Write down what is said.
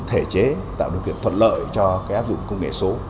thể chế tạo điều kiện thuận lợi cho cái áp dụng công nghệ số